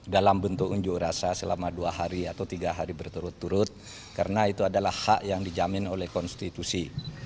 dalam bentuk unjuk rasa selama dua hari atau tiga hari berturut turut karena itu adalah hak yang dijamin oleh konstitusi